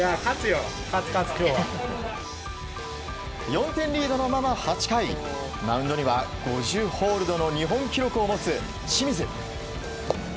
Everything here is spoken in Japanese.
４点リードのまま８回マウンドには５０ホールドの日本記録を持つ清水。